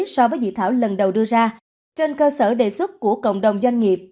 so với dự thảo lần đầu đưa ra trên cơ sở đề xuất của cộng đồng doanh nghiệp